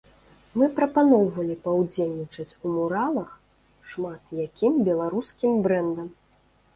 Мы прапаноўвалі паўдзельнічаць у муралах шмат якім беларускім брэндам.